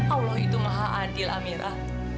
allah itu maha adil amirah